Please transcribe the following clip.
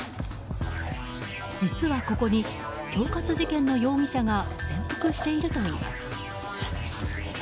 実はここに恐喝事件の容疑者が潜伏しているといいます。